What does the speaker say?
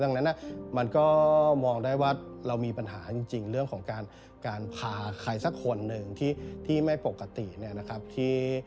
ดังนั้นมันก็มองได้ว่าเรามีปัญหาจริงเรื่องของการพาใครสักคนหนึ่งที่ไม่ปกติเนี่ยนะครับ